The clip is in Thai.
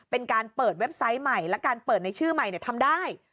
เป็นการเปิดเว็บไซต์ใหม่และการเปิดในชื่อใหม่ทำได้